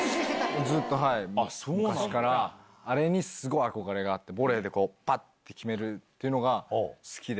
はい、ずっと、昔からあれにすごい憧れがあって、ボレーでこう、ぱって決めるっていうのが好きで。